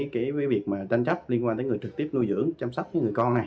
cái việc tranh chấp liên quan tới người trực tiếp nuôi dưỡng chăm sóc người con này